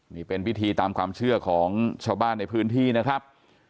นี่เป็นพิธีตามความเชื่อของชาวบ้านในพื้นที่นะครับ